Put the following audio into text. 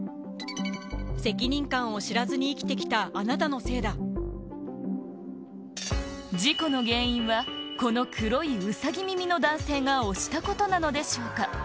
責任感を知らずに生きてきた事故の原因は、この黒いウサギ耳の男性が押したことなのでしょうか。